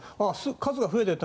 数が増えているな。